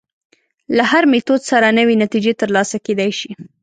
له هر میتود سره نوې نتیجې تر لاسه کېدای شي.